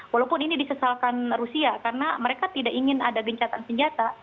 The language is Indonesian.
walaupun ini disesalkan rusia karena mereka tidak ingin ada gencatan senjata